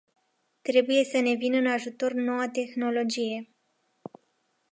Trebuie să ne vină în ajutor noua tehnologie.